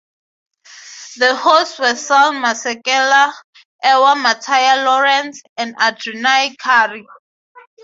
The hosts were Sal Masekela, Ewa Mataya Laurance, and Adrianne Curry.